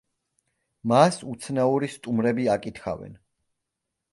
მას უცნაური სტუმრები აკითხავენ.